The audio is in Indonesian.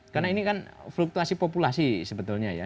karena ini kan fluktuasi populasi sebetulnya ya